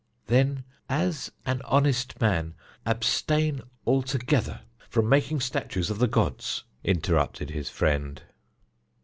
"Then, as an honest man, abstain altogether from making statues of the gods," interrupted his friend.